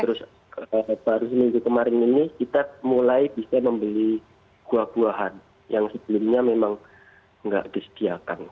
terus baru minggu kemarin ini kita mulai bisa membeli buah buahan yang sebelumnya memang nggak disediakan